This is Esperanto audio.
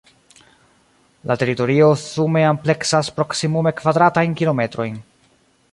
La teritorio sume ampleksas proksimume kvadratajn kilometrojn.